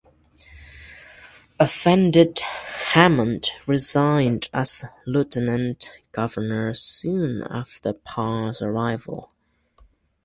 Offended, Hamond resigned as lieutenant-governor soon after Parr's arrival.